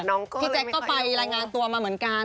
น้องก็เลยไม่เคยรู้พี่เจ๊ก็ไปรายงานตัวมาเหมือนกัน